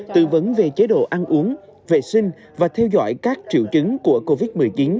tư vấn về chế độ ăn uống vệ sinh và theo dõi các triệu chứng của covid một mươi chín